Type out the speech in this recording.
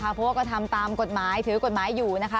เพราะว่าก็ทำตามกฎหมายถือกฎหมายอยู่นะคะ